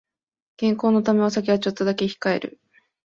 健康のためお酒はちょっとだけ控える